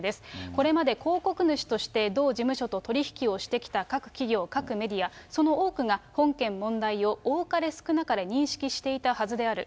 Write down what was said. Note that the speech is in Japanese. これまで広告主として同事務所と取り引きをしてきた各企業、各メディア、その多くが本件問題を多かれ少なかれ認識していたはずである。